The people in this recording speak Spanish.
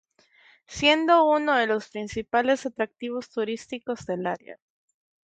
Siendo uno de los principales atractivos turísticos del área.